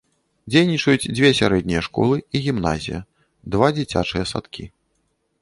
Дзейнічаюць дзве сярэднія школы і гімназія, два дзіцячыя садкі.